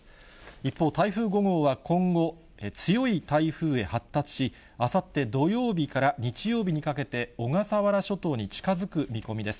一方、台風５号は今後、強い台風へ発達し、あさって土曜日から日曜日にかけて、小笠原諸島に近づく見込みです。